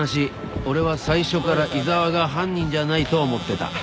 俺は最初から井沢が犯人じゃないと思ってた。